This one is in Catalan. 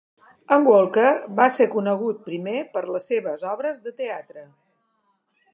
En Walker va ser conegut primer per les seves obres de teatre.